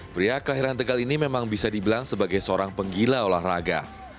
pria kelahiran tegal ini memang bisa dibilang sebagai seorang penggila olahraga